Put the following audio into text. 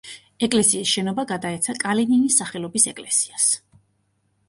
ეკლესიის შენობა გადაეცა კალინინის სახელობის ეკლესიას.